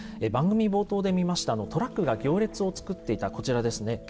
番組冒頭で見ましたトラックが行列を作っていたこちらですね。